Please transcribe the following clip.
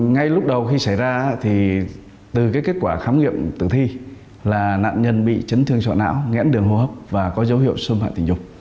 ngay lúc đầu khi xảy ra thì từ kết quả khám nghiệm tử thi là nạn nhân bị chấn thương sọ não nghẽn đường hô hấp và có dấu hiệu xâm hại tình dục